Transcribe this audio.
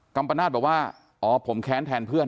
ัมปนาศบอกว่าอ๋อผมแค้นแทนเพื่อน